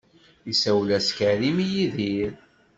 Isawel-as Karim i Yidir.